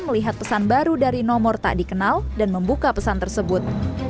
melihat pesan baru dari nomor tak dikenal dan membuka pesan tersebut